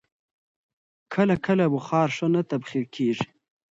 کله کله بخار ښه نه تبخیر کېږي.